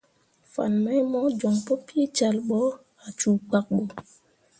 Fan mai mo joŋ pu peecal ɓo ah cuu pkak ɓo.